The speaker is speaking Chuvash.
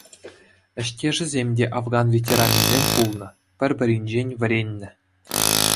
Ӗҫтешӗсем те Афган ветеранӗсем пулнӑ, пӗр-пӗринчен вӗреннӗ.